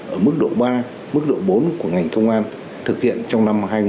ở mức độ ba mức độ bốn của ngành công an thực hiện trong năm hai nghìn hai mươi ba